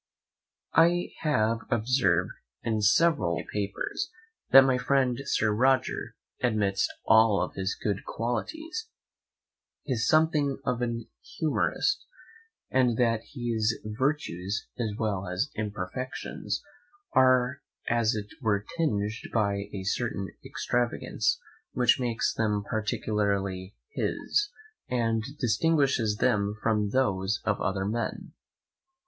I have observed in several of my papers, that my friend Sir Roger, amidst all his good qualities, is something of an humorist; and that his virtues, as well as imperfections, are as it were tinged by a certain extravagance, which makes them particularly HIS, and distinguishes them from those of other men.